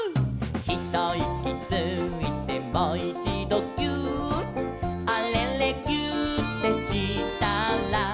「ひといきついてもいちどぎゅーっ」「あれれぎゅーってしたら」